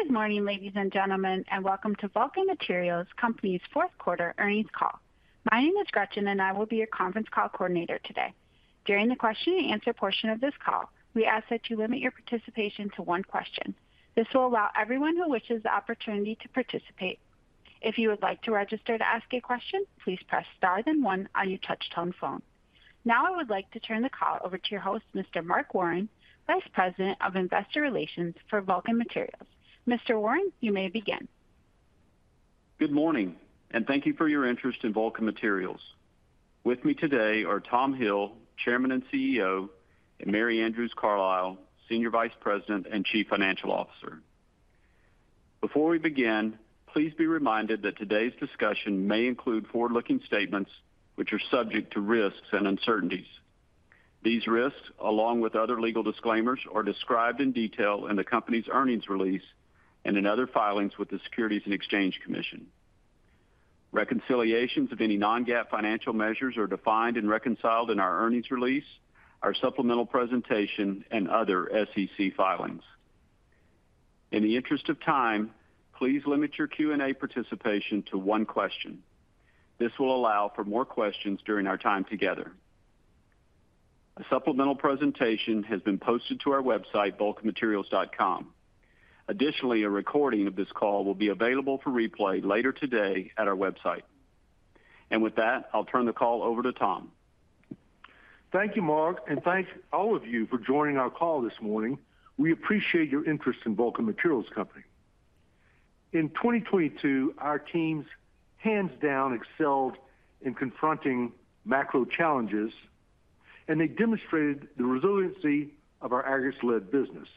Good morning, ladies and gentlemen, and welcome to Vulcan Materials Company's Fourth Quarter Earnings Call. My name is Gretchen, and I will be your conference call coordinator today. During the question and answer portion of this call, we ask that you limit your participation to one question. This will allow everyone who wishes the opportunity to participate. If you would like to register to ask a question, please press Star then one on your touchtone phone. Now I would like to turn the call over to your host, Mr. Mark Warren, Vice President of Investor Relations for Vulcan Materials. Mr. Warren, you may begin. Good morning, and thank you for your interest in Vulcan Materials. With me today are Tom Hill, Chairman and CEO, and Mary Andrews Carlisle, Senior Vice President and Chief Financial Officer. Before we begin, please be reminded that today's discussion may include forward-looking statements which are subject to risks and uncertainties. These risks, along with other legal disclaimers, are described in detail in the company's earnings release and in other filings with the Securities and Exchange Commission. Reconciliations of any non-GAAP financial measures are defined and reconciled in our earnings release, our supplemental presentation, and other SEC filings. In the interest of time, please limit your Q&A participation to one question. This will allow for more questions during our time together. A supplemental presentation has been posted to our website, vulcanmaterials.com. Additionally, a recording of this call will be available for replay later today at our website. With that, I'll turn the call over to Tom. Thank you, Mark, thank all of you for joining our call this morning. We appreciate your interest in Vulcan Materials Company. In 2022, our teams hands down excelled in confronting macro challenges, and they demonstrated the resiliency of our aggregates-led business.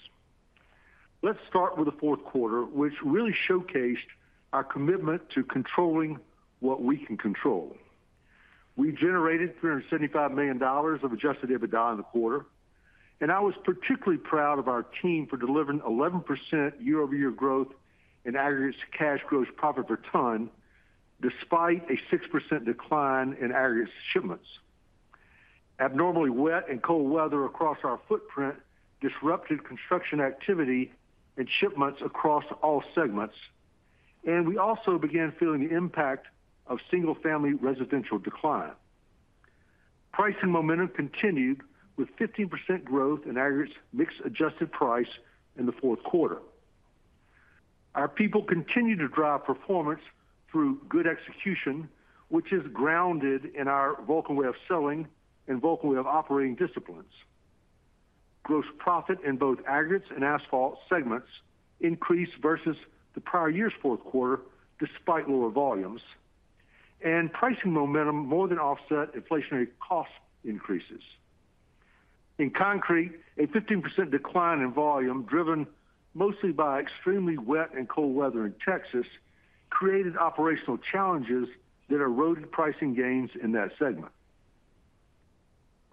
Let's start with the fourth quarter, which really showcased our commitment to controlling what we can control. We generated $375 million of Adjusted EBITDA in the quarter, and I was particularly proud of our team for delivering 11% year-over-year growth in aggregates cash gross profit per ton despite a 6% decline in aggregates shipments. Abnormally wet and cold weather across our footprint disrupted construction activity and shipments across all segments, and we also began feeling the impact of single-family residential decline. Pricing momentum continued with 15% growth in aggregates mix adjusted price in the fourth quarter. Our people continue to drive performance through good execution, which is grounded in our Vulcan Way of Selling and Vulcan Way of Operating disciplines. Gross profit in both aggregates and asphalt segments increased versus the prior year's fourth quarter despite lower volumes. Pricing momentum more than offset inflationary cost increases. In concrete, a 15% decline in volume, driven mostly by extremely wet and cold weather in Texas, created operational challenges that eroded pricing gains in that segment.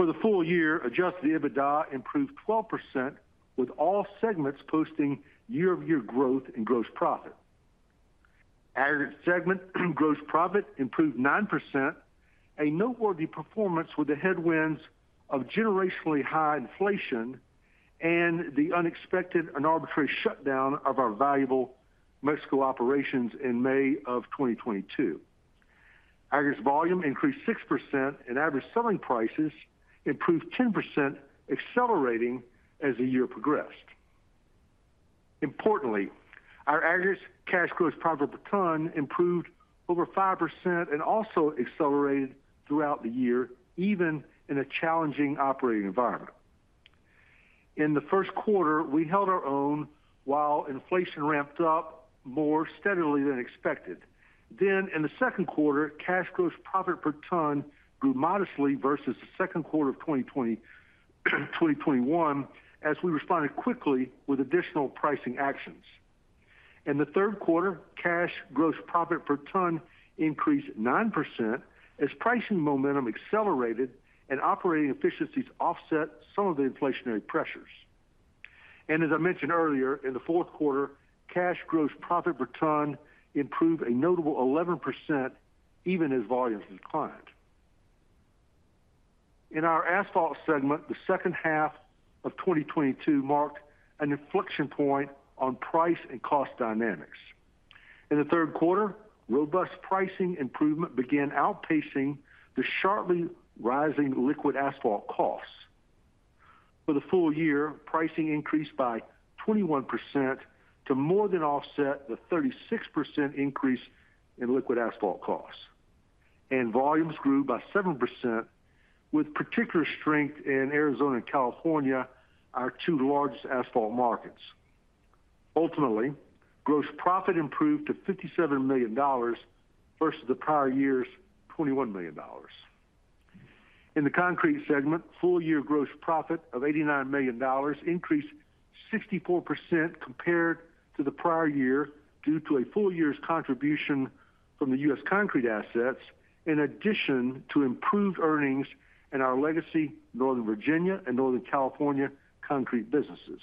For the full year, Adjusted EBITDA improved 12% with all segments posting year-over-year growth in gross profit. Aggregate segment gross profit improved 9%, a noteworthy performance with the headwinds of generationally high inflation and the unexpected and arbitrary shutdown of our valuable Mexico operations in May of 2022. Aggregates volume increased 6%, and average selling prices improved 10%, accelerating as the year progressed. Importantly, our aggregates cash gross profit per ton improved over 5% and also accelerated throughout the year, even in a challenging operating environment. In the first quarter, we held our own while inflation ramped up more steadily than expected. In the second quarter, cash gross profit per ton grew modestly versus the second quarter of 2020, 2021, as we responded quickly with additional pricing actions. In the third quarter, cash gross profit per ton increased 9% as pricing momentum accelerated and operating efficiencies offset some of the inflationary pressures. As I mentioned earlier, in the fourth quarter, cash gross profit per ton improved a notable 11% even as volumes declined. In our asphalt segment, the second half of 2022 marked an inflection point on price and cost dynamics. In the third quarter, robust pricing improvement began outpacing the sharply rising liquid asphalt costs. For the full year, pricing increased by 21% to more than offset the 36% increase in liquid asphalt costs. Volumes grew by 7% with particular strength in Arizona and California, our two largest asphalt markets. Ultimately, gross profit improved to $57 million versus the prior year's $21 million. In the concrete segment, full year gross profit of $89 million increased 64% compared to the prior year due to a full year's contribution from the U.S. Concrete assets, in addition to improved earnings in our legacy Northern Virginia and Northern California concrete businesses.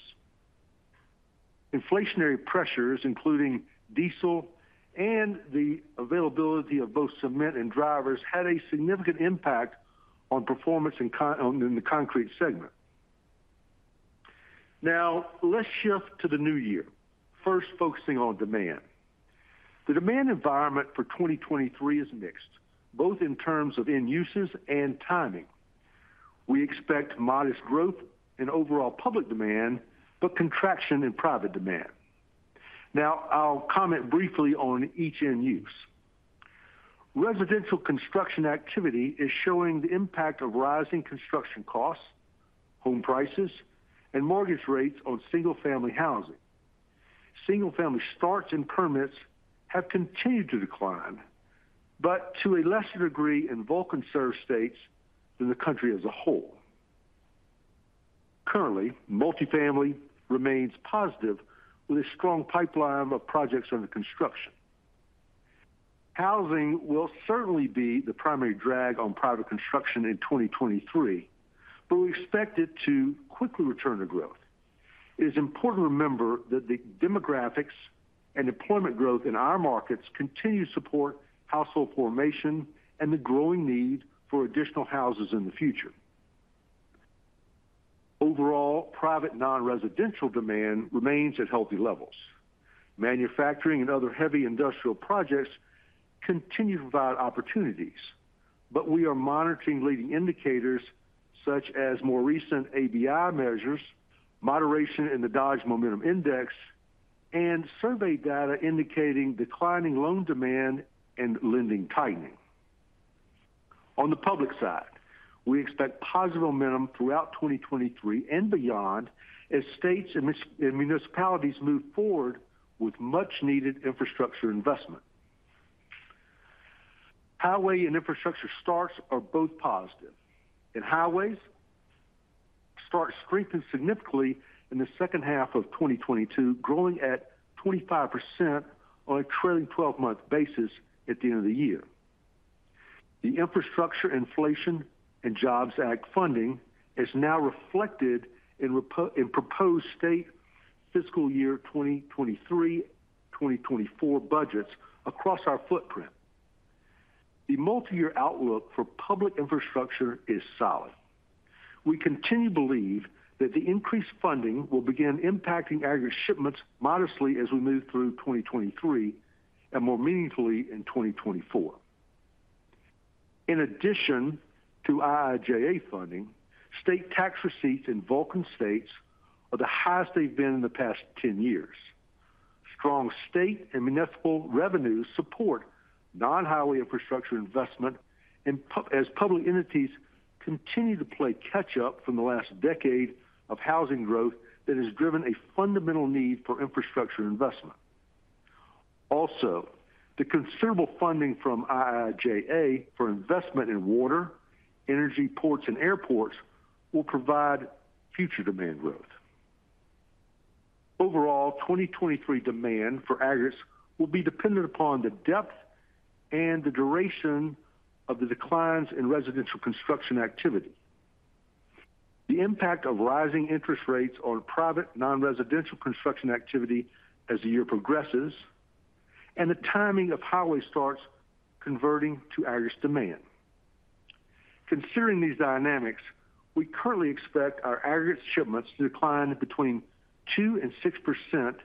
Inflationary pressures, including diesel and the availability of both cement and drivers, had a significant impact on performance in the concrete segment. Let's shift to the new year, first focusing on demand. The demand environment for 2023 is mixed, both in terms of end uses and timing. We expect modest growth in overall public demand, but contraction in private demand. I'll comment briefly on each end use. Residential construction activity is showing the impact of rising construction costs, home prices, and mortgage rates on single-family housing. Single-family starts and permits have continued to decline, but to a lesser degree in Vulcan served states than the country as a whole. Currently, multifamily remains positive with a strong pipeline of projects under construction. Housing will certainly be the primary drag on private construction in 2023, but we expect it to quickly return to growth. It is important to remember that the demographics and employment growth in our markets continue to support household formation and the growing need for additional houses in the future. Overall, private non-residential demand remains at healthy levels. Manufacturing and other heavy industrial projects continue to provide opportunities, but we are monitoring leading indicators such as more recent ABI measures, moderation in the Dodge Momentum Index, and survey data indicating declining loan demand and lending tightening. On the public side, we expect positive momentum throughout 2023 and beyond as states and municipalities move forward with much needed infrastructure investment. Highway and infrastructure starts are both positive. In highways, starts strengthened significantly in the second half of 2022, growing at 25% on a trailing twelve-month basis at the end of the year. The Infrastructure Investment and Jobs Act funding is now reflected in proposed state fiscal year 2023/2024 budgets across our footprint. The multi-year outlook for public infrastructure is solid. We continue to believe that the increased funding will begin impacting aggregate shipments modestly as we move through 2023 and more meaningfully in 2024. In addition to IIJA funding, state tax receipts in Vulcan states are the highest they've been in the past 10 years. Strong state and municipal revenues support non-highway infrastructure investment as public entities continue to play catch-up from the last decade of housing growth that has driven a fundamental need for infrastructure investment. The considerable funding from IIJA for investment in water, energy, ports, and airports will provide future demand growth. 2023 demand for aggregates will be dependent upon the depth and the duration of the declines in residential construction activity. The impact of rising interest rates on private non-residential construction activity as the year progresses, and the timing of highway starts converting to aggregates demand. Considering these dynamics, we currently expect our aggregate shipments to decline between 2% and 6%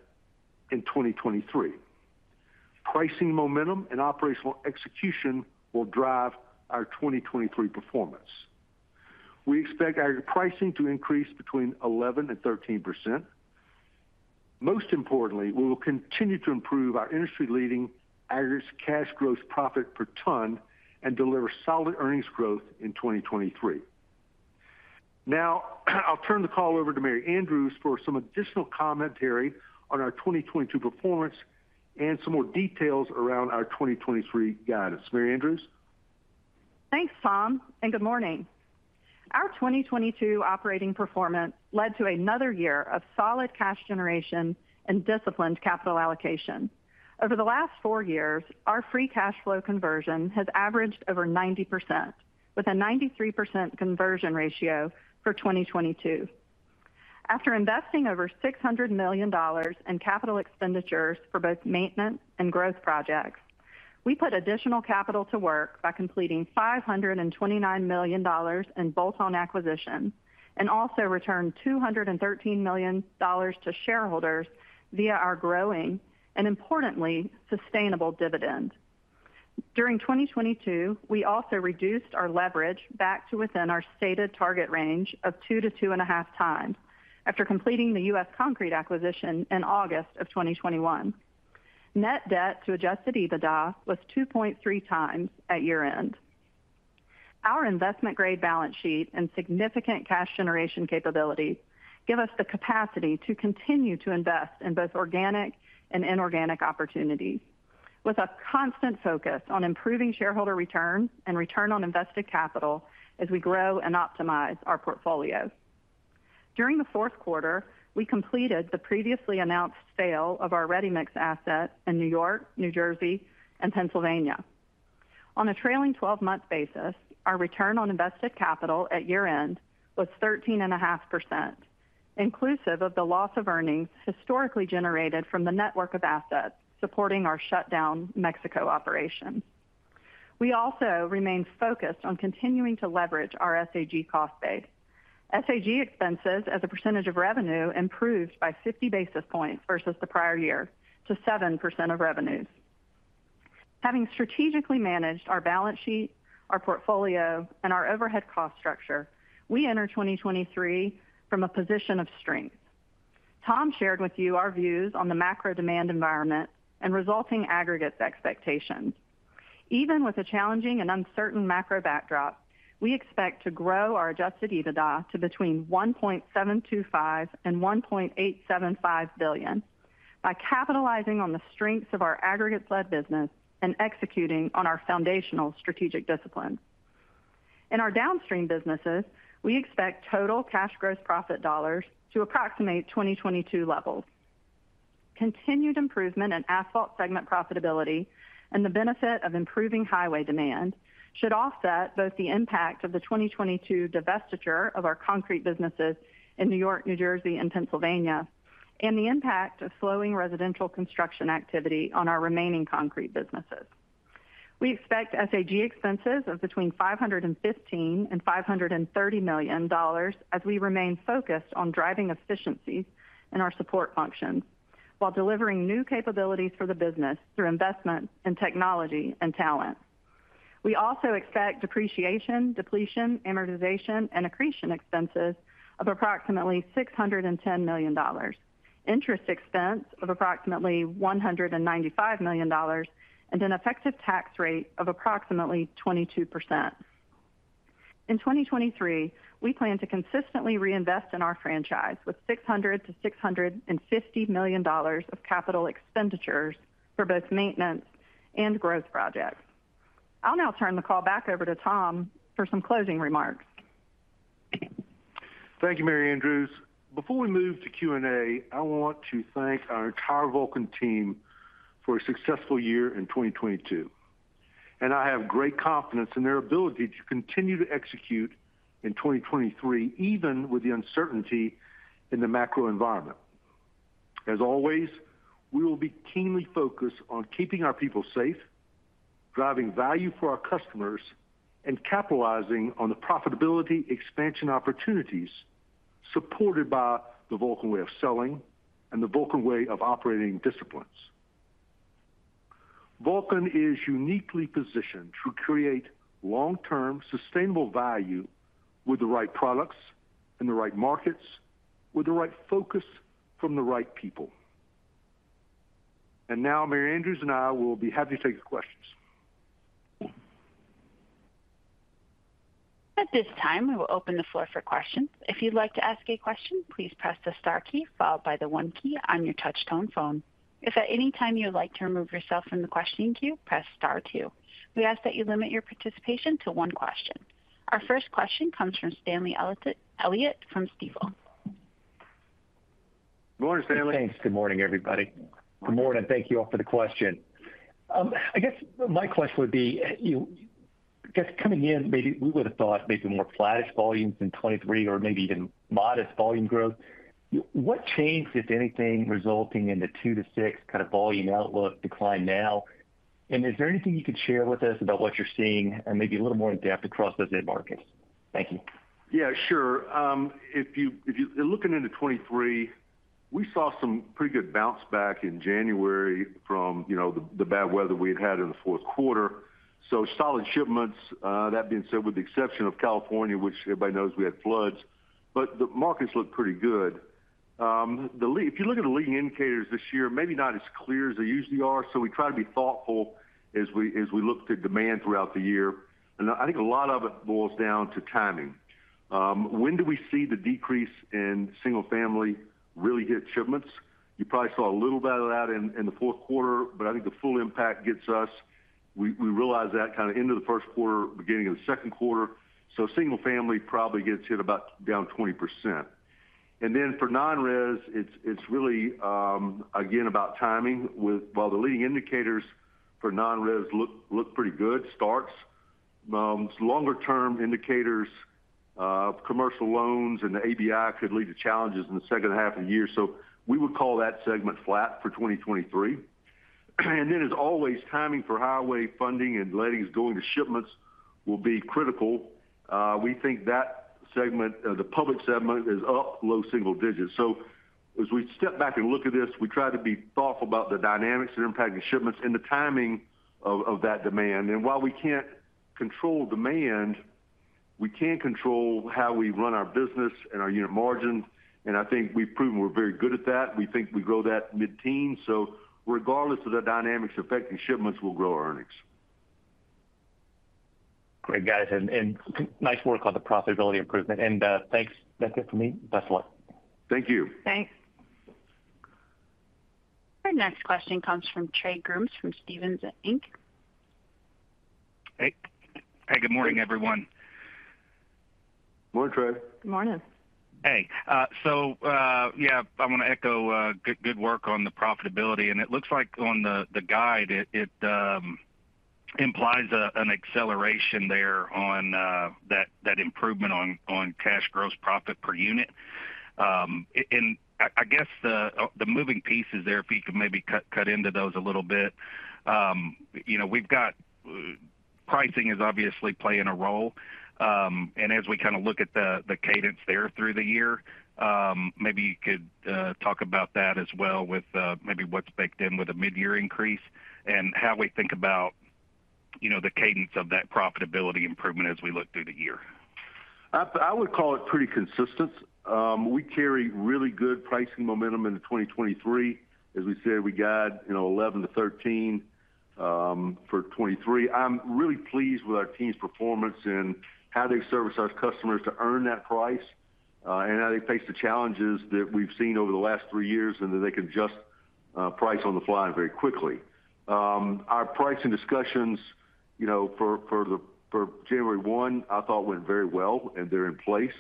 in 2023. Pricing momentum and operational execution will drive our 2023 performance. We expect our pricing to increase between 11% and 13%. Most importantly, we will continue to improve our industry-leading aggregates cash gross profit per ton and deliver solid earnings growth in 2023. Now, I'll turn the call over to Mary Andrews for some additional commentary on our 2022 performance and some more details around our 2023 guidance. Mary Andrews. Thanks, Tom, and good morning. Our 2022 operating performance led to another year of solid cash generation and disciplined capital allocation. Over the last four years, our free cash flow conversion has averaged over 90%, with a 93% conversion ratio for 2022. After investing over $600 million in capital expenditures for both maintenance and growth projects, we put additional capital to work by completing $529 million in bolt-on acquisitions, and also returned $213 million to shareholders via our growing and importantly, sustainable dividend. During 2022, we also reduced our leverage back to within our stated target range of 2-2.5 times after completing the U.S. Concrete acquisition in August of 2021. Net debt to Adjusted EBITDA was 2.3 times at year-end. Our investment-grade balance sheet and significant cash generation capability give us the capacity to continue to invest in both organic and inorganic opportunities with a constant focus on improving shareholder return and Return on Invested Capital as we grow and optimize our portfolio. During the fourth quarter, we completed the previously announced sale of our ready-mix asset in New York, New Jersey, and Pennsylvania. On a trailing 12-month basis, our Return on Invested Capital at year-end was 13.5%, inclusive of the loss of earnings historically generated from the network of assets supporting our shutdown Mexico operation. We also remain focused on continuing to leverage our SAG cost base. SAG expenses as a percentage of revenue improved by 50 basis points versus the prior year to 7% of revenues. Having strategically managed our balance sheet, our portfolio, and our overhead cost structure, we enter 2023 from a position of strength. Tom shared with you our views on the macro demand environment and resulting aggregates expectations. Even with a challenging and uncertain macro backdrop, we expect to grow our Adjusted EBITDA to between $1.725 billion and $1.875 billion by capitalizing on the strengths of our aggregate-led business and executing on our foundational strategic disciplines. In our downstream businesses, we expect total cash gross profit dollars to approximate 2022 levels. Continued improvement in asphalt segment profitability and the benefit of improving highway demand should offset both the impact of the 2022 divestiture of our concrete businesses in New York, New Jersey, and Pennsylvania, and the impact of slowing residential construction activity on our remaining concrete businesses. We expect SAG expenses of between $515 million and $530 million as we remain focused on driving efficiencies in our support functions while delivering new capabilities for the business through investment in technology and talent. We also expect depreciation, depletion, amortization, and accretion expenses of approximately $610 million, interest expense of approximately $195 million, and an effective tax rate of approximately 22%. In 2023, we plan to consistently reinvest in our franchise with $600 million-$650 million of capital expenditures for both maintenance and growth projects. I'll now turn the call back over to Tom for some closing remarks. Thank you, Mary Andrews. Before we move to Q&A, I want to thank our entire Vulcan team for a successful year in 2022. I have great confidence in their ability to continue to execute in 2023, even with the uncertainty in the macro environment. As always, we will be keenly focused on keeping our people safe, driving value for our customers, and capitalizing on the profitability expansion opportunities supported by the Vulcan Way of Selling and the Vulcan Way of Operating disciplines. Vulcan is uniquely positioned to create long-term sustainable value with the right products, in the right markets, with the right focus from the right people. Now Mary Andrews and I will be happy to take your questions. At this time, we will open the floor for questions. If you'd like to ask a question, please press the star key followed by the one key on your touch tone phone. If at any time you would like to remove yourself from the questioning queue, press star two. We ask that you limit your participation to one question. Our first question comes from Stanley Elliott from Stifel. Good morning, Stanley. Thanks. Good morning, everybody. Good morning. Good morning. Thank you all for the question. I guess my question would be, I guess coming in, maybe we would have thought maybe more flattish volumes in 23 or maybe even modest volume growth. What changed, if anything, resulting in the 2-6 kind of volume outlook decline now? Is there anything you could share with us about what you're seeing and maybe a little more in-depth across those end markets? Thank you. Yeah, sure. If looking into 23, we saw some pretty good bounce back in January from, you know, the bad weather we had had in the fourth quarter. Solid shipments. That being said, with the exception of California, which everybody knows we had floods, but the markets look pretty good. If you look at the leading indicators this year, maybe not as clear as they usually are. We try to be thoughtful as we look to demand throughout the year. I think a lot of it boils down to timing. When do we see the decrease in single family really hit shipments? You probably saw a little bit of that in the fourth quarter, but I think the full impact gets us. We realize that kind of into the first quarter, beginning of the second quarter. Single family probably gets hit about down 20%. Then for non-res, it's really again about timing with. While the leading indicators for non-res look pretty good, starts, longer-term indicators, commercial loans and the ABI could lead to challenges in the second half of the year. We would call that segment flat for 2023. As always, timing for highway funding and lettings going to shipments will be critical. We think that segment, the public segment is up low single digits. As we step back and look at this, we try to be thoughtful about the dynamics that are impacting shipments and the timing of that demand. While we can't control demand, we can control how we run our business and our unit margins. I think we've proven we're very good at that. We think we grow that mid-teen. Regardless of the dynamics affecting shipments, we'll grow our earnings. Great, guys. Nice work on the profitability improvement. Thanks. That's it for me. Best of luck. Thank you. Thanks. Our next question comes from Trey Grooms from Stephens Inc. Hey. Hey, good morning, everyone. Good morning, Trey. Good morning. Hey, so, yeah, I wanna echo, good work on the profitability. It looks like on the guide, it. Implies an acceleration there on that improvement on Cash Gross Profit per unit. I guess, the moving pieces there, if you could maybe cut into those a little bit. You know, Pricing is obviously playing a role, and as we kinda look at the cadence there through the year, maybe you could talk about that as well with maybe what's baked in with a mid-year increase and how we think about, you know, the cadence of that profitability improvement as we look through the year. I would call it pretty consistent. We carry really good pricing momentum into 2023. As we said, we guide, you know, 11%-13% for 2023. I'm really pleased with our team's performance and how they service our customers to earn that price, and how they face the challenges that we've seen over the last three years, and that they can adjust price on the fly very quickly. Our pricing discussions, you know, for January one, I thought went very well, and they're in place.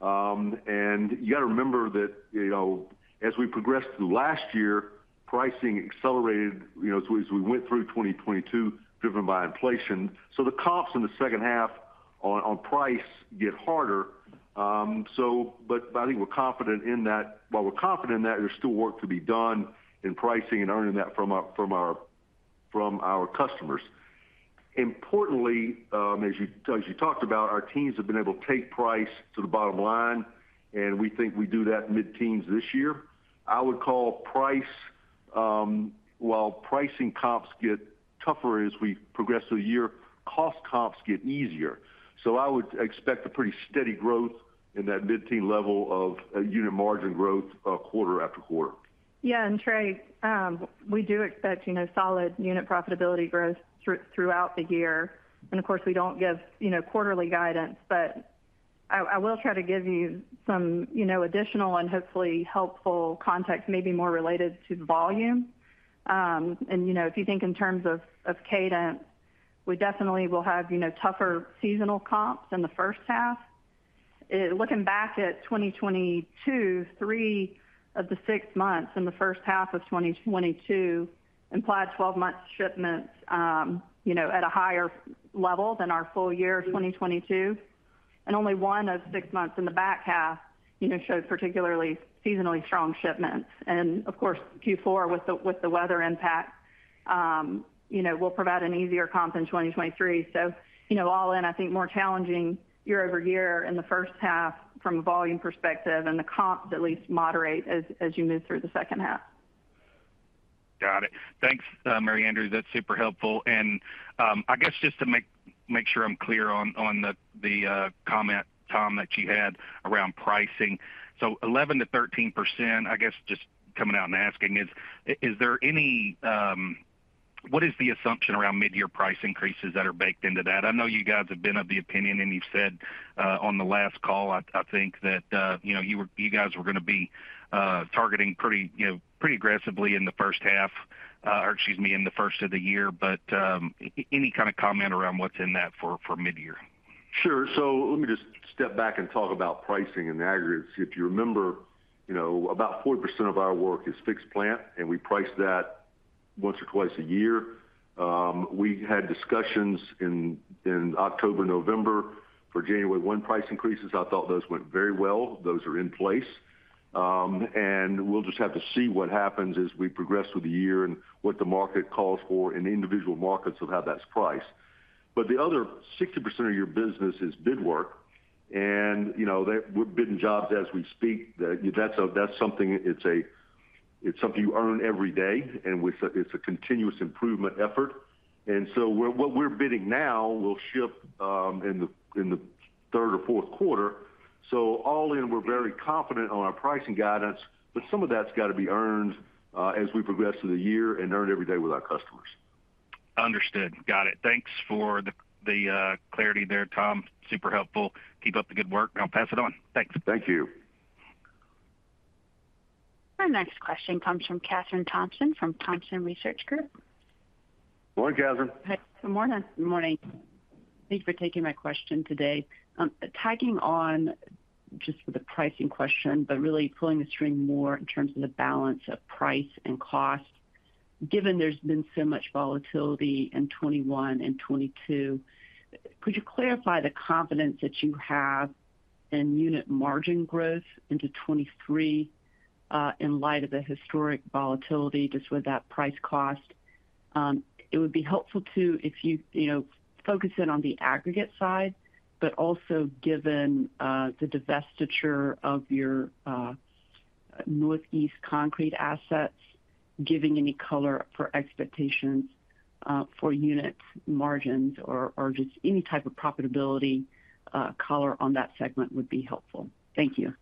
You got to remember that, you know, as we progressed through last year, pricing accelerated, you know, as we went through 2022 driven by inflation. The comps in the second half on price get harder, but I think we're confident in that. While we're confident in that, there's still work to be done in pricing and earning that from our customers. Importantly, as you talked about, our teams have been able to take price to the bottom line, we think we do that mid-teens this year. I would call price, while pricing comps get tougher as we progress through the year, cost comps get easier. I would expect a pretty steady growth in that mid-teen level of unit margin growth, quarter after quarter. Yeah. Trey, we do expect, you know, solid unit profitability growth throughout the year. Of course, we don't give, you know, quarterly guidance, but I will try to give you some, you know, additional and hopefully helpful context, maybe more related to the volume. If you think in terms of cadence, we definitely will have, you know, tougher seasonal comps in the first half. Looking back at 2022, three of the six months in the first half of 2022 implied 12-month shipments, you know, at a higher level than our full year of 2022, and only one of six months in the back half, you know, showed particularly seasonally strong shipments. Of course, Q4 with the weather impact, you know, will provide an easier comp in 2023. You know, all in, I think, more challenging year-over-year in the first half from a volume perspective and the comps at least moderate as you move through the second half. Got it. Thanks, Mary Andrews. That's super helpful. I guess, just to make sure I'm clear on the comment, Tom, that you had around pricing. 11%-13%, I guess, just coming out and asking is there any... What is the assumption around mid-year price increases that are baked into that? I know you guys have been of the opinion, and you've said, on the last call, I think that, you know, you guys were gonna be targeting pretty, you know, pretty aggressively in the first half, or excuse me, in the first of the year. Any kind of comment around what's in that for mid-year? Sure. Let me just step back and talk about pricing in the aggregate. If you remember, you know, about 40% of our work is fixed plant, and we price that once or twice a year. We had discussions in October, November for January one price increases. I thought those went very well. Those are in place. We'll just have to see what happens as we progress through the year and what the market calls for in the individual markets of how that's priced. The other 60% of your business is bid work. You know, we're bidding jobs as we speak. That's something, it's something you earn every day, and it's a continuous improvement effort. What we're bidding now will ship in the third or fourth quarter. All in, we're very confident on our pricing guidance, but some of that's got to be earned, as we progress through the year and earn every day with our customers. Understood. Got it. Thanks for the clarity there, Tom. Super helpful. Keep up the good work, I'll pass it on. Thanks. Thank you. Our next question comes from Kathryn Thompson from Thompson Research Group. Morning, Kathryn. Hi. Good morning. Good morning. Good morning. Thank you for taking my question today. Tagging on just for the pricing question, but really pulling the string more in terms of the balance of price and cost. Given there's been so much volatility in 21 and 22, could you clarify the confidence that you have in unit margin growth into 23, in light of the historic volatility just with that price cost? It would be helpful, too, if you know, focus in on the aggregate side, but also given, the divestiture of your, Northeast Concrete assets, giving any color for expectations, for unit margins or just any type of profitability, color on that segment would be helpful. Thank you.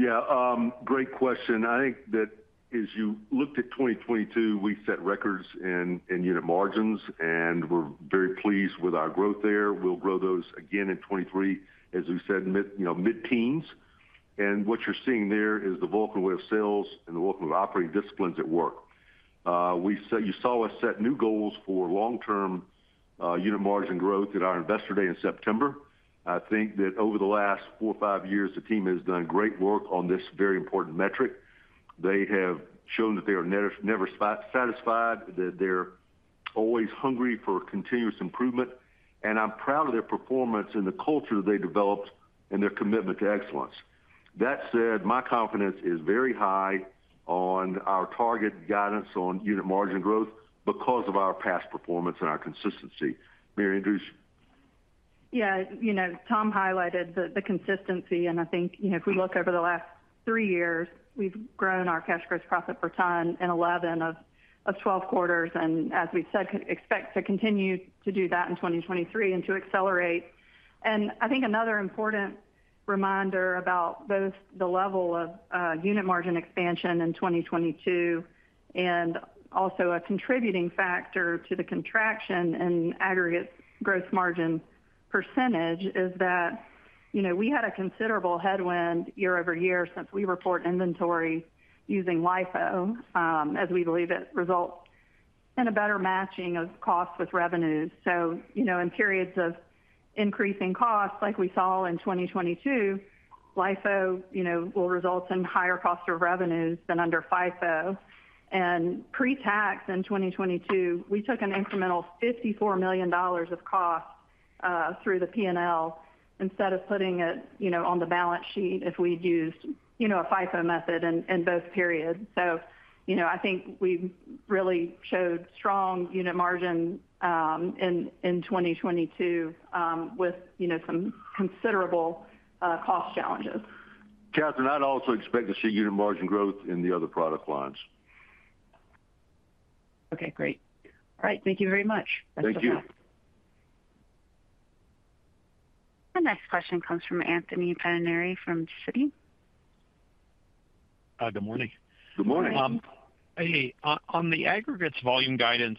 Yeah, great question. I think that as you looked at 2022, we set records in unit margins, and we're very pleased with our growth there. We'll grow those again in 23, as we said, mid-teens. What you're seeing there is the Vulcan Way of Selling and the Vulcan Way of Operating disciplines at work. You saw us set new goals for long-term unit margin growth at our Investor Day in September. I think that over the last four or five years, the team has done great work on this very important metric. They have shown that they are never satisfied, that they're always hungry for continuous improvement, and I'm proud of their performance and the culture they developed and their commitment to excellence. That said, my confidence is very high on our target guidance on unit margin growth because of our past performance and our consistency. Mary Andrews? Yeah. You know, Tom highlighted the consistency, I think, you know, if we look over the last three years, we've grown our cash gross profit per ton in 11 of 12 quarters. As we've said, expect to continue to do that in 2023 and to accelerate. I think another important reminder about both the level of unit margin expansion in 2022, and also a contributing factor to the contraction in aggregate gross margin percentage is that, you know, we had a considerable headwind year-over-year since we report inventory using LIFO, as we believe it results in a better matching of costs with revenues. In periods of increasing costs, like we saw in 2022, LIFO, you know, will result in higher cost of revenues than under FIFO. Pre-tax in 2022, we took an incremental $54 million of costs through the P&L instead of putting it, you know, on the balance sheet if we'd used, you know, a FIFO method in both periods. You know, I think we really showed strong unit margin in 2022 with, you know, some considerable cost challenges. Kathryn, I'd also expect to see unit margin growth in the other product lines. Okay, great. All right, thank you very much. Thank you. That's a wrap. The next question comes from Anthony Pettinari from Citi. Good morning. Good morning. Hey, on the aggregates volume guidance,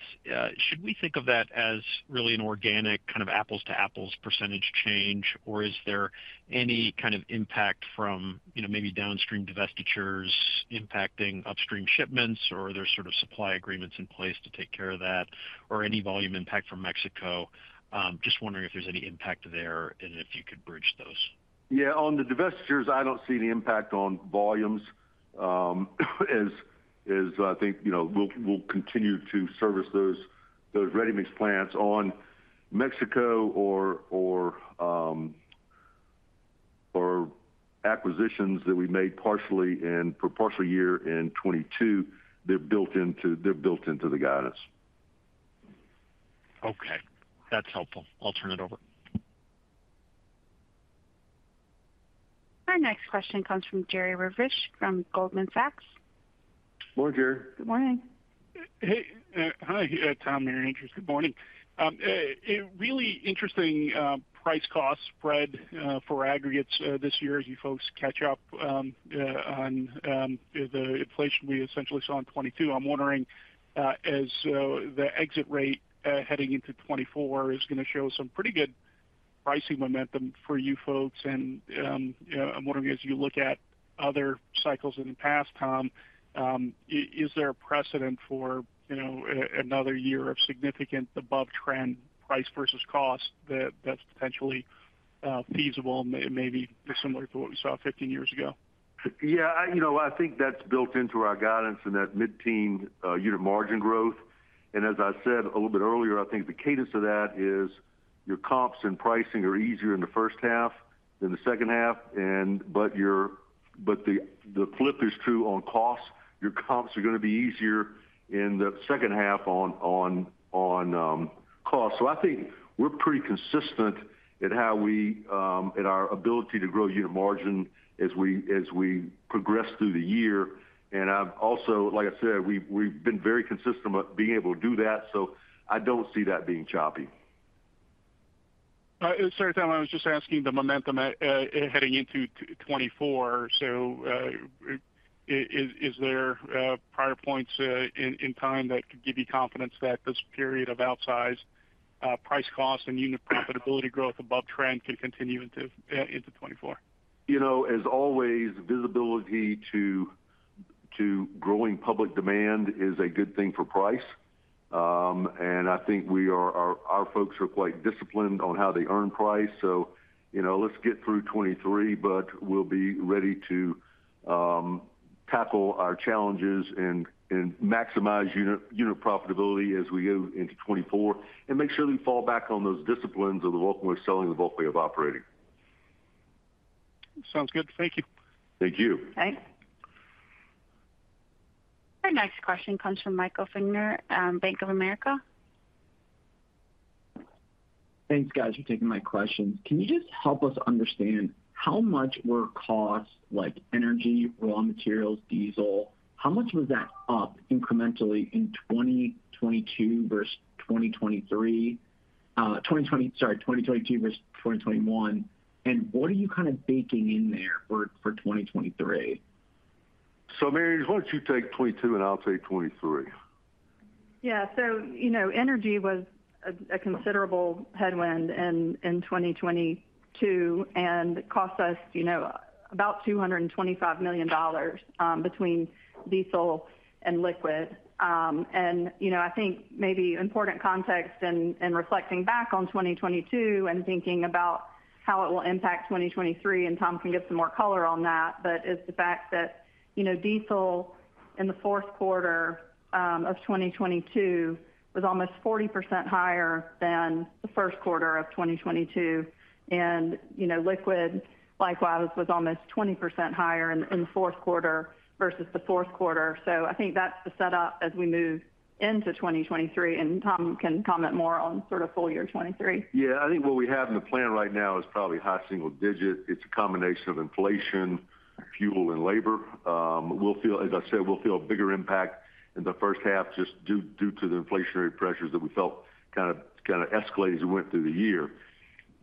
should we think of that as really an organic kind of apples to apples percentage change, or is there any kind of impact from, you know, maybe downstream divestitures impacting upstream shipments, or are there sort of supply agreements in place to take care of that or any volume impact from Mexico? Just wondering if there's any impact there and if you could bridge those. Yeah. On the divestitures, I don't see any impact on volumes, as I think, you know, we'll continue to service those ready-mix plants. On Mexico or acquisitions that we made partially for partial year in 22, they're built into the guidance. Okay. That's helpful. I'll turn it over. Our next question comes from Jerry Revich from Goldman Sachs. Morning, Jerry. Good morning. Hey, hi, Tom, Mary Andrews. Good morning. A really interesting price-cost spread for aggregates this year as you folks catch up on the inflation we essentially saw in 2022. I'm wondering, as the exit rate heading into 2024 is gonna show some pretty good pricing momentum for you folks. I'm wondering, as you look at other cycles in the past, Tom, is there a precedent for, you know, another year of significant above trend price versus cost that's potentially feasible and maybe similar to what we saw 15 years ago? Yeah, I, you know, I think that's built into our guidance in that mid-teen unit margin growth. As I said a little bit earlier, I think the cadence of that is your comps and pricing are easier in the first half than the second half, but the flip is true on costs. Your comps are gonna be easier in the second half on costs. I think we're pretty consistent in how we in our ability to grow unit margin as we progress through the year. I've also, like I said, we've been very consistent with being able to do that, so I don't see that being choppy. Sorry, Tom, I was just asking the momentum heading into 2024. Is there prior points in time that could give you confidence that this period of outsized price costs and unit profitability growth above trend can continue into 2024? You know, as always, visibility to growing public demand is a good thing for price. I think we are, our folks are quite disciplined on how they earn price. You know, let's get through 23, we'll be ready to tackle our challenges and maximize unit profitability as we go into 24 and make sure we fall back on those disciplines of the Vulcan Way of Selling, the Vulcan Way of Operating. Sounds good. Thank you. Thank you. Thanks. Our next question comes from Michael Feniger, Bank of America. Thanks, guys, for taking my questions. Can you just help us understand how much were costs like energy, raw materials, diesel, how much was that up incrementally in 2022 versus 2023? Sorry, 2022 versus 2021? What are you kind of baking in there for 2023? Mary, why don't you take 22 and I'll take 23. Yeah. You know, energy a considerable headwind in 2022, cost us, you know, about $225 million between diesel and liquid. You know, I think maybe important context in reflecting back on 2022 and thinking about how it will impact 2023, Tom can give some more color on that, is the fact that, you know, diesel in the fourth quarter of 2022 was almost 40% higher than the first quarter of 2022. You know, liquid, likewise, was almost 20% higher in the fourth quarter versus the fourth quarter. I think that's the setup as we move into 2023, Tom can comment more on sort of full year 2023. Yeah. I think what we have in the plan right now is probably high single-digit. It's a combination of inflation, fuel and labor. As I said, we'll feel a bigger impact in the first half just due to the inflationary pressures that we felt kind of escalate as we went through the year.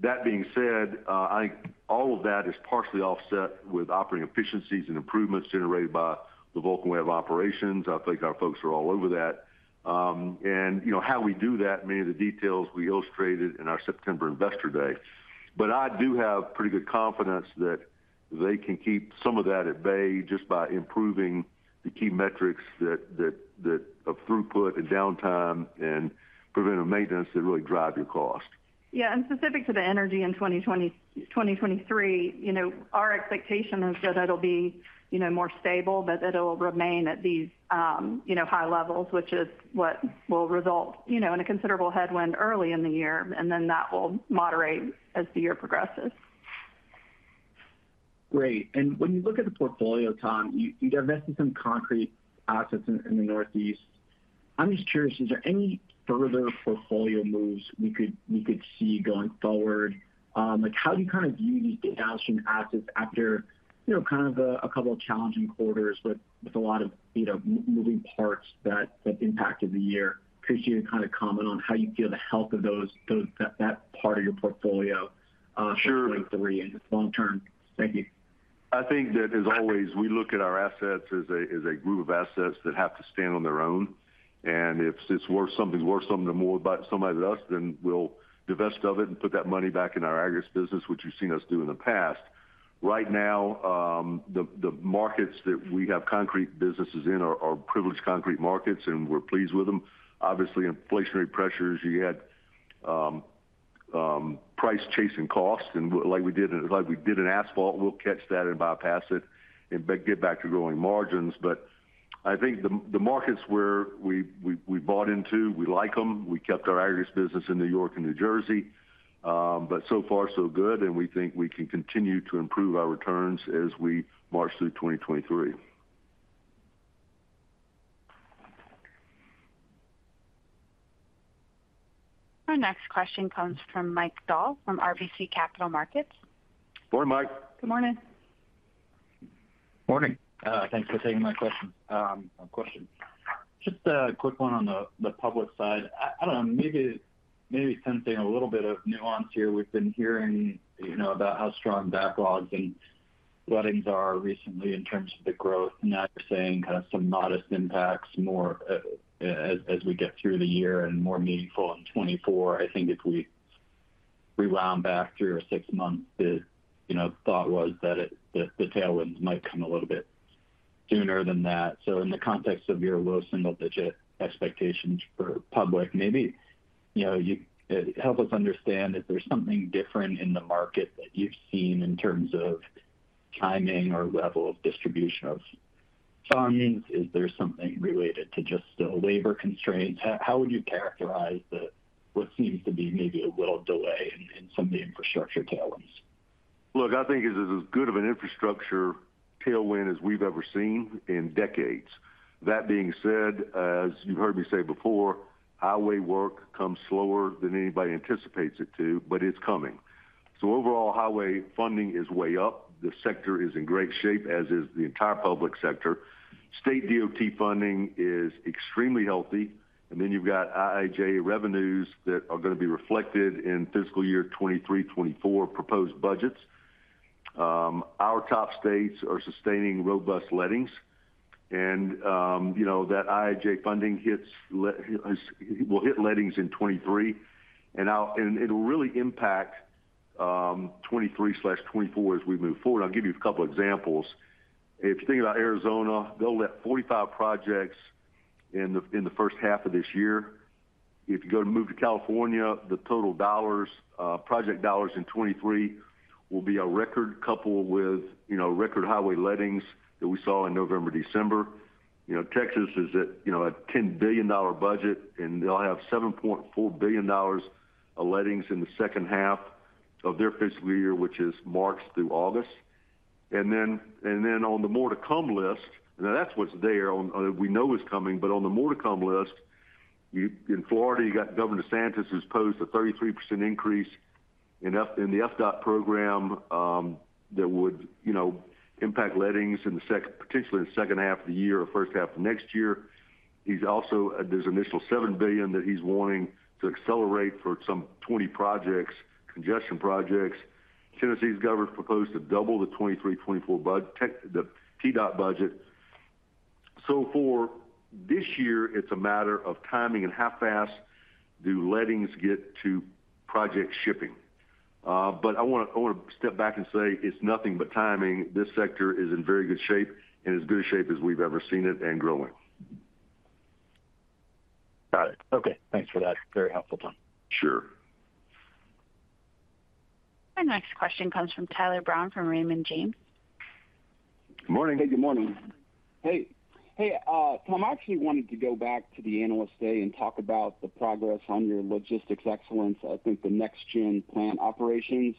That being said, I think all of that is partially offset with operating efficiencies and improvements generated by the Vulcan Way of Operating. I think our folks are all over that. You know, how we do that, many of the details we illustrated in our September Investor Day. I do have pretty good confidence that they can keep some of that at bay just by improving the key metrics that of throughput and downtime and preventive maintenance that really drive your cost. Yeah. Specific to the energy in 2020, 2023, you know, our expectation is that it'll be, you know, more stable, but it'll remain at these, you know, high levels, which is what will result, you know, in a considerable headwind early in the year, and then that will moderate as the year progresses. Great. When you look at the portfolio, Tom, you divested some concrete assets in the Northeast. I'm just curious, is there any further portfolio moves we could see going forward? Like, how do you kind of view these downstream assets after, you know, kind of a couple of challenging quarters with a lot of, you know, moving parts that impacted the year? Appreciate it if you kind of comment on how you feel the health of those, that part of your portfolio. Sure. through 23 and just long term. Thank you. I think that as always, we look at our assets as a group of assets that have to stand on their own. If it's worth something to more, but somebody to us, then we'll divest of it and put that money back in our aggregates business, which you've seen us do in the past. Right now, the markets that we have concrete businesses in are privileged concrete markets, and we're pleased with them. Obviously, inflationary pressures, you had price chasing cost, and like we did in asphalt, we'll catch that and bypass it and get back to growing margins. I think the markets where we bought into, we like them. We kept our aggregates business in New York and New Jersey. So far so good, and we think we can continue to improve our returns as we march through 2023. Our next question comes from Mike Dahl from RBC Capital Markets. Morning, Mike. Good morning. Morning. Thanks for taking my question. Question. Just a quick one on the public side. I don't know, maybe sensing a little bit of nuance here. We've been hearing, you know, about how strong backlogs and lettings are recently in terms of the growth. Now you're saying kind of some modest impacts more, as we get through the year and more meaningful in 2024. I think if we rewound back three or six months, the, you know, thought was that it, the tailwinds might come a little bit sooner than that. In the context of your low single-digit expectations for public, maybe, you know, you could help us understand if there's something different in the market that you've seen in terms of timing or level of distribution of fundings. Is there something related to just the labor constraints? How would you characterize what seems to be maybe a little delay in some of the infrastructure tailwinds? Look, I think this is as good of an infrastructure tailwind as we've ever seen in decades. That being said, as you've heard me say before, highway work comes slower than anybody anticipates it to, but it's coming. Overall, highway funding is way up. The sector is in great shape, as is the entire public sector. State DOT funding is extremely healthy. You've got IIJ revenues that are gonna be reflected in fiscal year 23, 24 proposed budgets. Our top states are sustaining robust lettings. You know, that IIJ funding hits, will hit lettings in 23. It'll really impact 23/24 as we move forward. I'll give you a couple examples. If you think about Arizona, they'll let 45 projects in the, in the first half of this year. If you go to move to California, the total dollars, project dollars in 2023 will be a record coupled with, you know, record highway lettings that we saw in November, December. You know, Texas is at, you know, a $10 billion budget, and they'll have $7.4 billion of lettings in the second half of their fiscal year, which is March through August. On the more to come list, now that's what's there on, we know is coming, but on the more to come list, in Florida, you got Governor DeSantis has proposed a 33% increase in the FDOT program, that would, you know, impact lettings particularly in the second half of the year or first half of next year. He's also, there's initial $7 billion that he's wanting to accelerate for some 20 projects, congestion projects. Tennessee's governor proposed to double the 2023, 2024 TDOT budget. For this year, it's a matter of timing and how fast do lettings get to project shipping. I wanna step back and say it's nothing but timing. This sector is in very good shape, in as good a shape as we've ever seen it and growing. Got it. Okay, thanks for that. Very helpful, Tom. Sure. Our next question comes from Tyler Brown from Raymond James. Good morning. Hey, good morning. Hey, Tom, I actually wanted to go back to the Investor Day and talk about the progress on your logistics excellence, I think the next-gen plant operations.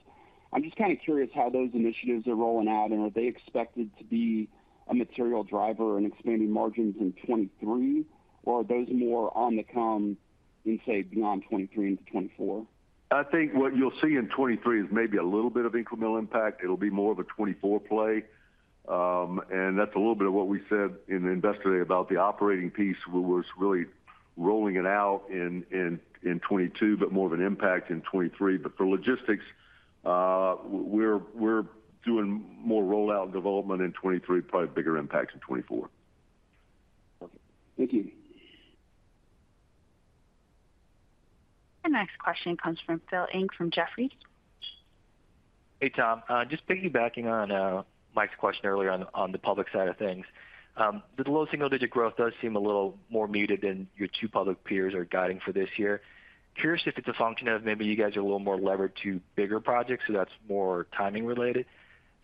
I'm just kinda curious how those initiatives are rolling out, and are they expected to be a material driver in expanding margins in 2023, or are those more on the come in, say, beyond 2023 into 2024? I think what you'll see in 23 is maybe a little bit of incremental impact. It'll be more of a 24 play. That's a little bit of what we said in the Investor Day about the operating piece, where was really rolling it out in 22, but more of an impact in 23. For logistics, we're doing more rollout development in 23, probably bigger impacts in 24. Okay. Thank you. Our next question comes from Phil Ng from Jefferies. Hey, Tom. Just piggybacking on Mike's question earlier on the public side of things. The low single-digit growth does seem a little more muted than your two public peers are guiding for this year. Curious if it's a function of maybe you guys are a little more levered to bigger projects, so that's more timing related.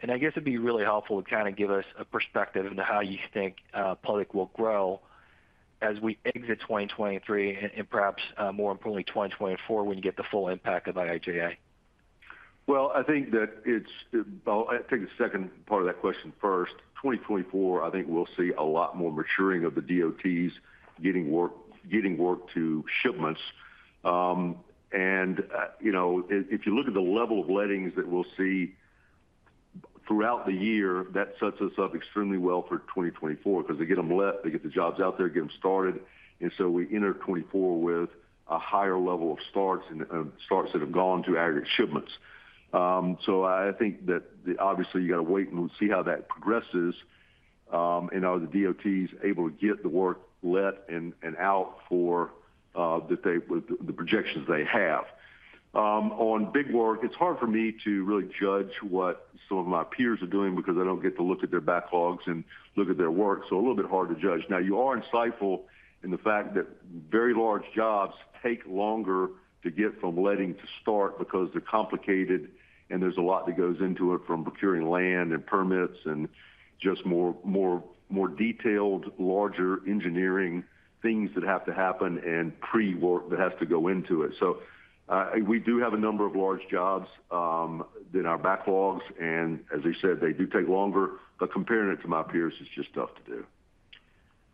I guess it'd be really helpful to kinda give us a perspective into how you think public will grow as we exit 2023 and perhaps, more importantly, 2024 when you get the full impact of IIJA. Well, I think that it's Well, I'll take the second part of that question first. 2024, I think we'll see a lot more maturing of the DOTs getting work, getting work to shipments. You know, if you look at the level of lettings that we'll see throughout the year, that sets us up extremely well for 2024 because they get them let, they get the jobs out there, get them started. We enter 2024 with a higher level of starts and starts that have gone to aggregate shipments. I think that obviously, you gotta wait and see how that progresses, and are the DOTs able to get the work let and out for with the projections they have. On big work, it's hard for me to really judge what some of my peers are doing because I don't get to look at their backlogs and look at their work, so a little bit hard to judge. You are insightful in the fact that very large jobs take longer to get from letting to start because they're complicated, and there's a lot that goes into it from procuring land and permits and just more, more, more detailed, larger engineering things that have to happen and pre-work that has to go into it. We do have a number of large jobs in our backlogs, and as I said, they do take longer, but comparing it to my peers is just tough to do.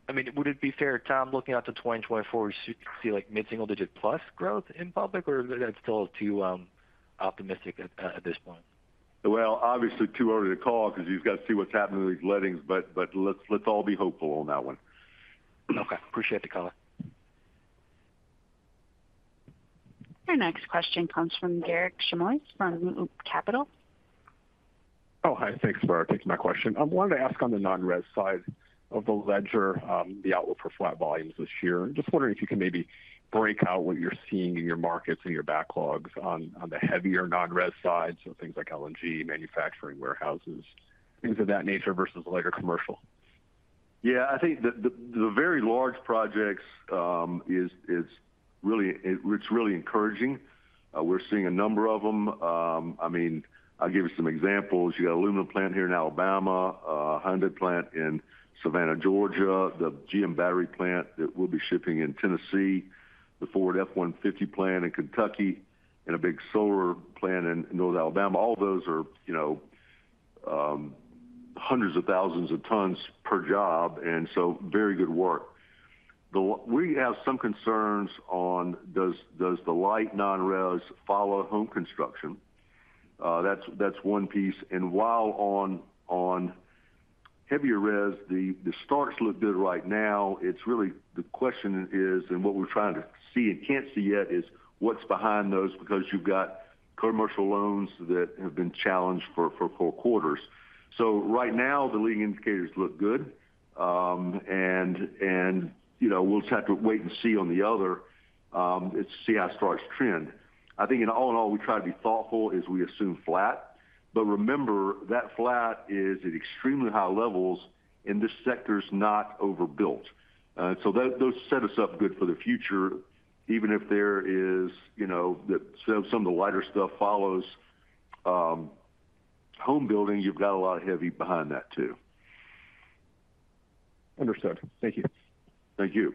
I mean, would it be fair, Tom, looking out to 2024, we should see like mid-single digit plus growth in public, or that's still too optimistic at this point? Well, obviously too early to call because you've got to see what's happening with these lettings, but let's all be hopeful on that one. Okay. Appreciate the color. Our next question comes from Garik Shmois from Loop Capital. Hi. Thanks for taking my question. I wanted to ask on the non-res side of the ledger, the outlook for flat volumes this year. Just wondering if you can maybe break out what you're seeing in your markets and your backlogs on the heavier non-res side, so things like LNG, manufacturing warehouses, things of that nature versus lighter commercial. I think the very large projects, it's really encouraging. We're seeing a number of them. I mean, I'll give you some examples. You got an aluminum plant here in Alabama, a Hyundai plant in Savannah, Georgia, the GM battery plant that we'll be shipping in Tennessee, the Ford F-150 plant in Kentucky, and a big solar plant in North Alabama. All those are, you know, hundreds of thousands of tons per job, very good work. We have some concerns on does the light non-res follow home construction? That's one piece. While on heavier res, the starts look good right now. It's really the question is, and what we're trying to see and can't see yet, is what's behind those, because you've got commercial loans that have been challenged for four quarters. Right now, the leading indicators look good. And, you know, we'll just have to wait and see on the other, and see how starts trend. I think in all in all, we try to be thoughtful as we assume flat. Remember, that flat is at extremely high levels, and this sector's not overbuilt. Those set us up good for the future. Even if there is, you know, some of the lighter stuff follows, home building, you've got a lot of heavy behind that too. Understood. Thank you. Thank you.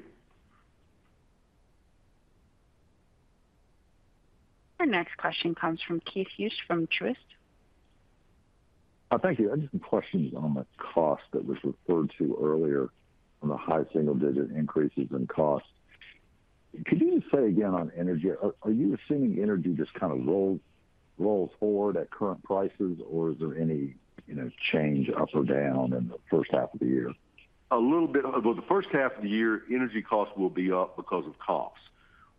Our next question comes from Keith Hughes from Truist. Thank you. I have some questions on the cost that was referred to earlier on the high single digit increases in cost. Could you just say again on energy, are you assuming energy just kind of rolls forward at current prices, or is there any, you know, change up or down in the first half of the year? A little bit. The first half of the year, energy costs will be up because of costs.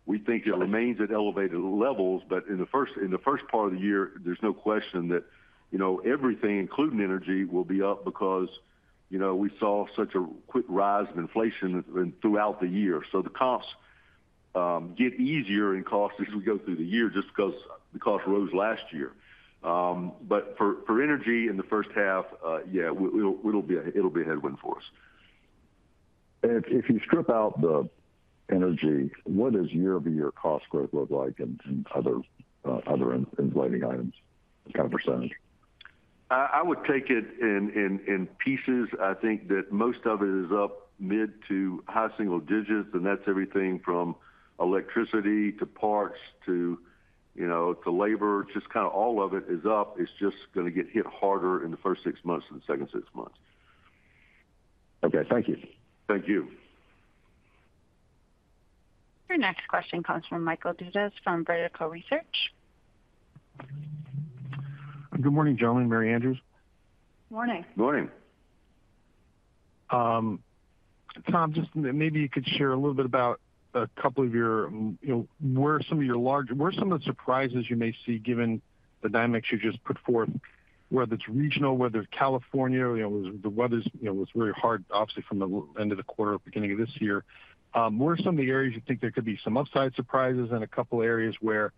We think it remains at elevated levels, but in the first, in the first part of the year, there's no question that, you know, everything, including energy, will be up because, you know, we saw such a quick rise of inflation throughout the year. So the costs get easier in cost as we go through the year just because the cost rose last year. But for energy in the first half, yeah, it'll be a headwind for us. If you strip out the energy, what does year-over-year cost growth look like in other inflating items kind of percentage? I would take it in pieces. I think that most of it is up mid to high single digits. That's everything from electricity to parts to, you know, to labor. Just kinda all of it is up. It's just gonna get hit harder in the first six months than the second six months. Okay, thank you. Thank you. Your next question comes from Michael Dudas from Vertical Research Partners. Good morning, gentlemen. Mary Andrews. Morning. Morning. Tom, just maybe you could share a little bit about two of your, you know, where some of your large where some of the surprises you may see given the dynamics you just put forth, whether it's regional, whether it's California. You know, the weather's, you know, was very hard obviously from the end of the quarter, beginning of this year. Where some of the areas you think there could be some upside surprises and two areas where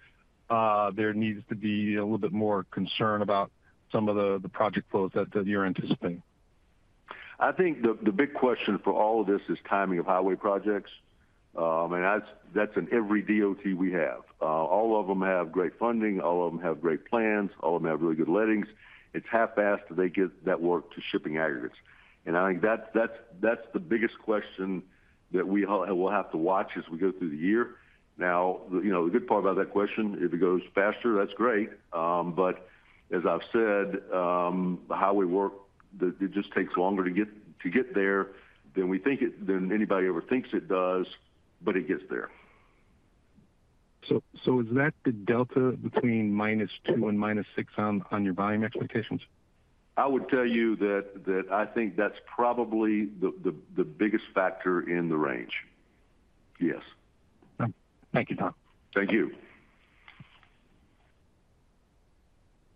there needs to be a little bit more concern about some of the project flows that you're anticipating? I think the big question for all of this is timing of highway projects. That's, that's in every DOT we have. All of them have great funding, all of them have great plans, all of them have really good lettings. It's how fast do they get that work to shipping aggregates. I think that's, that's the biggest question that we'll have to watch as we go through the year. Now, you know, the good part about that question, if it goes faster, that's great. As I've said, the highway work, it just takes longer to get there than we think than anybody ever thinks it does, but it gets there. Is that the delta between -2 and -6 on your volume expectations? I would tell you that I think that's probably the biggest factor in the range. Yes. Thank you, Tom. Thank you.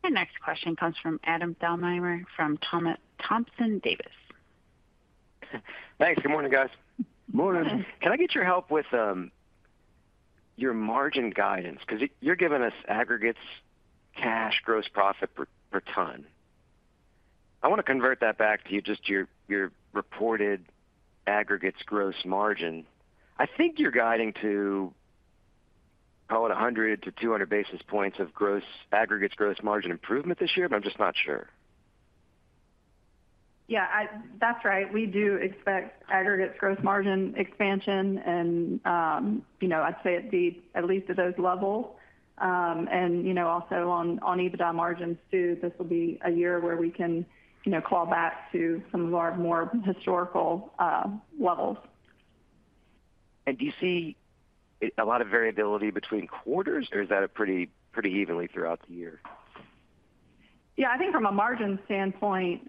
Your next question comes from Adam Thalhimer from Thompson Davis. Thanks. Good morning, guys. Morning. Morning. Can I get your help with your margin guidance? 'Cause you're giving us aggregates cash gross profit per ton. I wanna convert that back to you, just your reported aggregates gross margin. I think you're guiding to, call it 100-200 basis points of aggregates gross margin improvement this year, but I'm just not sure. Yeah, that's right. We do expect aggregates gross margin expansion, you know, I'd say at least at those levels. You know, also on EBITDA margins too, this will be a year where we can, you know, claw back to some of our more historical levels. Do you see a lot of variability between quarters or is that a pretty evenly throughout the year? Yeah, I think from a margin standpoint,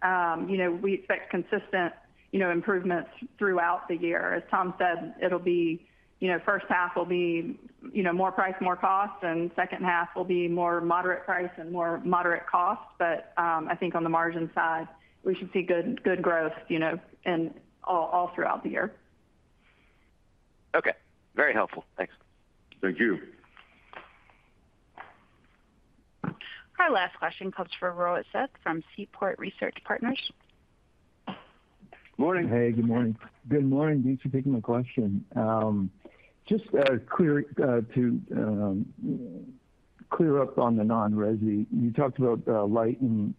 you know, we expect consistent, you know, improvements throughout the year. As Tom said, it'll be, you know, first half will be, you know, more price, more cost, and second half will be more moderate price and more moderate cost. I think on the margin side, we should see good growth, you know, all throughout the year. Okay. Very helpful. Thanks. Thank you. Our last question comes from Rohit Seth from Seaport Research Partners. Morning. Hey, good morning. Good morning. Thanks for taking my question. Just to clear up on the non-resi. You talked about light and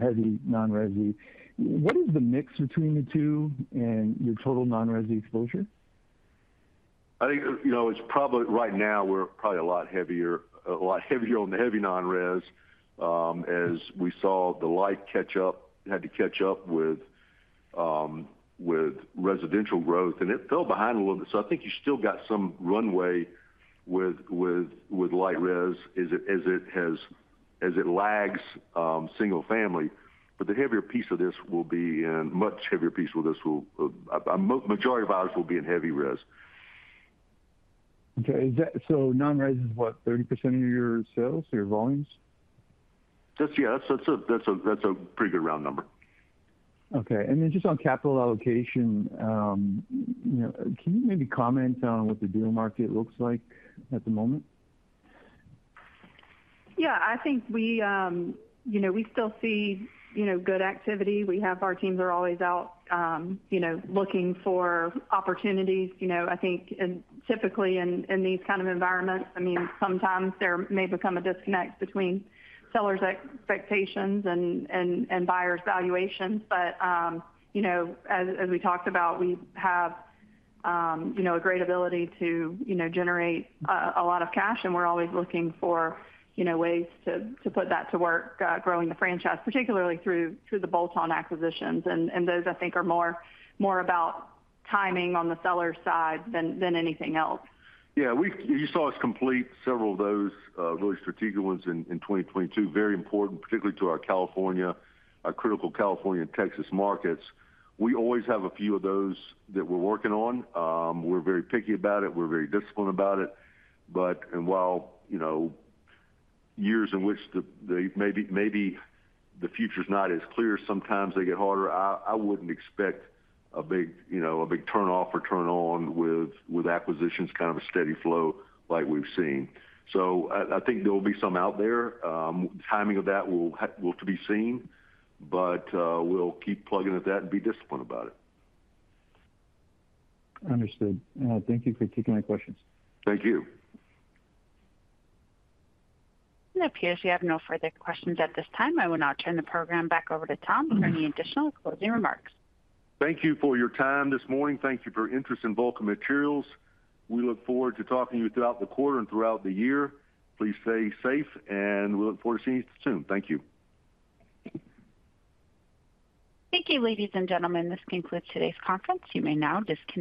heavy non-resi. What is the mix between the two and your total non-resi exposure? I think, you know, it's probably right now we're probably a lot heavier on the heavy non-res, as we saw the light catch up. It had to catch up with residential growth, and it fell behind a little bit. I think you still got some runway with light res as it lags single family. The heavier piece of this will be in much heavier piece with this will, majority of ours will be in heavy res. Okay. non-res is what? 30% of your sales or your volumes? That's, yeah. That's a pretty good round number. Okay. Just on capital allocation, you know, can you maybe comment on what the deal market looks like at the moment? Yeah. I think we, you know, we still see, you know, good activity. We have our teams are always out, you know, looking for opportunities. You know, I think typically in these kind of environments, I mean, sometimes there may become a disconnect between sellers' expectations and, and buyers' valuations. But, you know, as we talked about, we have, you know, a great ability to, you know, generate a lot of cash, and we're always looking for, you know, ways to put that to work, growing the franchise, particularly through the bolt-on acquisitions. Those, I think are more, more about timing on the seller side than anything else. Yeah. You saw us complete several of those, really strategic ones in 2022. Very important, particularly to our California, our critical California and Texas markets. We always have a few of those that we're working on. We're very picky about it. We're very disciplined about it. While, you know, years in which the maybe the future's not as clear, sometimes they get harder. I wouldn't expect a big, you know, a big turn off or turn on with acquisitions, kind of a steady flow like we've seen. So I think there will be some out there. Timing of that will to be seen, but, we'll keep plugging at that and be disciplined about it. Understood. I thank you for taking my questions. Thank you. It appears we have no further questions at this time. I will now turn the program back over to Tom for any additional closing remarks. Thank you for your time this morning. Thank you for interest in Vulcan Materials. We look forward to talking to you throughout the quarter and throughout the year. Please stay safe, and we look forward to seeing you soon. Thank you. Thank you, ladies and gentlemen. This concludes today's conference. You may now disconnect.